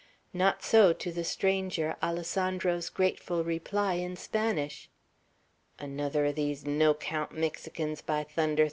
Not so, to the stranger, Alessandro's grateful reply in Spanish. "Another o' these no 'count Mexicans, by thunder!"